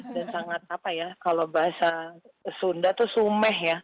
dan sangat apa ya kalau bahasa sunda tuh sumeh ya